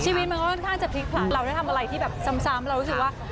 ชีวิตมันค่อนข้างจะพลิกเราทำอะไรที่สำสามเรารู้สึกว่า